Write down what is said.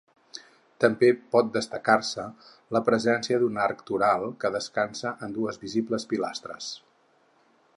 També pot destacar-se la presència d'un arc toral que descansa en dues visibles pilastres.